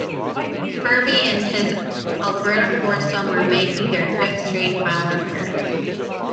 Ferbey and his Alberta foursome were making their fifth straight final appearance.